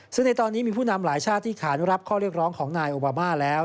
ซึ่งในตอนนี้มีผู้นำหลายชาติที่ขานุรับข้อเรียกร้องของนายโอบามาแล้ว